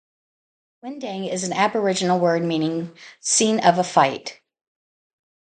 Windang is an aboriginal word meaning "scene of a fight".